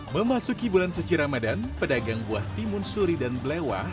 memasuki bulan suci ramadan pedagang buah timun suri dan belewah